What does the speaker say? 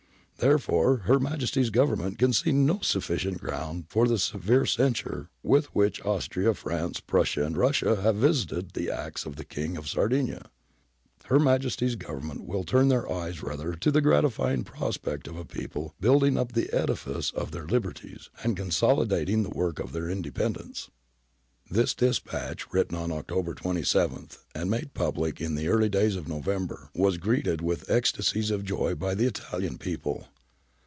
Therefore ' Her Majesty's Government can see no sufficient ground for the severe censure with which Austria, France, Prussia, and Russia have visited the acts of the King of Sardinia, Her Majesty's Government will turn their eyes rather to the gratifying prospect of a people building up the edifice of their liberties, and consolidating the work of their independence.' ^ This dispatch, written on October 27 and made public in the early days of November, was greeted with ' Chiala, iv. 6r, * Br. Pari. Paptrs, vii. pp. 125 127. LORD JOHN'S DISPATCH 283 ecstasies of joy by the Italian people.